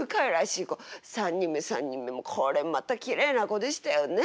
３人目もこれまたきれいな子でしたよね。